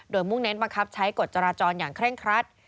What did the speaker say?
โดยมุ่งเน้นบังคับใช้กฎจราจรอย่างเคร่งครัด